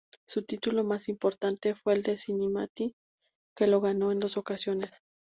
Su título más importante fue el de Cincinnati, que lo ganó en dos ocasiones.